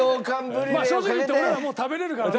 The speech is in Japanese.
まあ正直言って俺らもう食べれるからね。